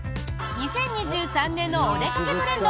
２０２３年のおでかけトレンド！